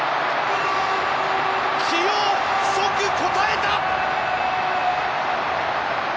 起用、即応えた！